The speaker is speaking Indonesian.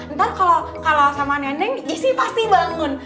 ntar kalau sama neneng isi pasti bangun